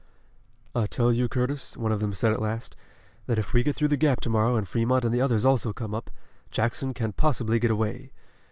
"I tell you, Curtis," one of them said at last, "that if we get through the Gap to morrow and Fremont and the others also come up, Jackson can't possibly get away.